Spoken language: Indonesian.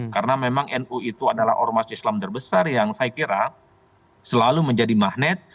karena memang nu itu adalah ormas islam terbesar yang saya kira selalu menjadi magnet